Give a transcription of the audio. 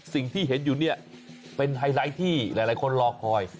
สิ่งที่เห็นอยู่เนี่ยเป็นไฮไลท์ที่หลายคนรอคอย